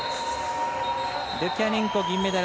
ルキャネンコ、銀メダル。